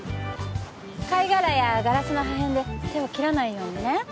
貝殻やガラスの破片で手を切らないようにね。